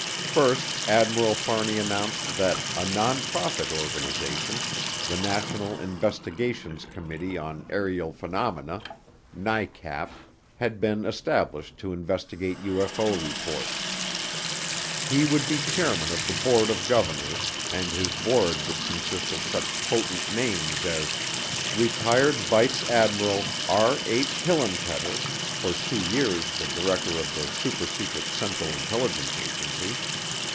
First, Admiral Fahrney announced that a non profit organization, the National Investigations Committee On Aerial Phenomena (NICAP) had been established to investigate UFO reports. He would be chairman of the board of governors and his board would consist of such potent names as: Retired Vice Admiral R. H. Hillenkoetter, for two years the director of the supersecret Central Intelligence Agency.